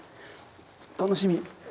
楽しみ。